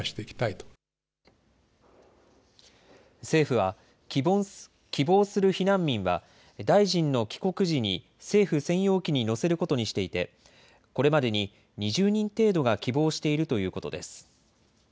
政府は、希望する避難民は大臣の帰国時に政府専用機に乗せることにしていて、これまでに２０人程度が希望しているということです。